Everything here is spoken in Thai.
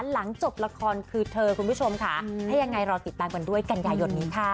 หลังจบละครคือเธอคุณผู้ชมค่ะถ้ายังไงรอติดตามกันด้วยกันยายนนี้ค่ะ